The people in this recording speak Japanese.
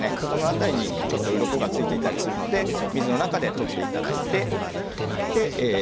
この辺りにちょっとうろこがついていたりするので水の中で取っていただいて。